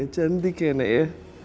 cantik ya anaknya